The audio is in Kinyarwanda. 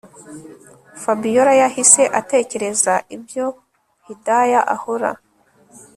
Fabiora yahise atekereza ibyo Hidaya ahora